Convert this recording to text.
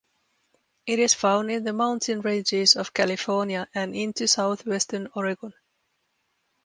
It is found in the mountain ranges of California and into southwestern Oregon.